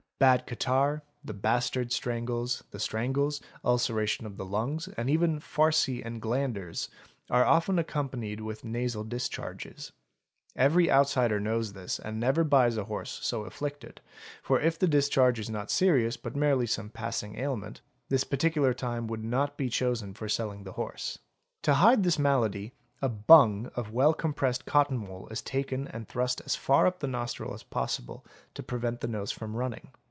Bad catarrh, the bastard strangles, the strangles, ulceration of the lungs, and even farcy and glanders, are often accompanied with nasal discharges. Every outsider even knows this and never buys a horse so afflicted, for , if the discharge is not serious but merely some passing ailment, this particular time would not be chosen for selling the horse. To hide up » this malady a "bung'' of well compressed cotton wool is taken and _ thrust as far up the nostril as possible to prevent the nose from running.